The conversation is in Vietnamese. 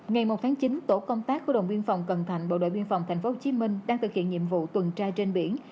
ngày một tháng chín tổ công tác khu đồng biên phòng cần thạnh bộ đội biên phòng thành phố hồ chí minh đang thực hiện nhiệm vụ tuần tra trên biển